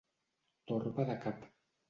Torba de cap.